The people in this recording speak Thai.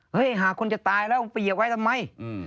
เฮ้ยหากคนจะตายแล้วไปเหยียบไว้ทำไม